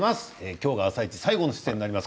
今日が「あさイチ」最後の出演です。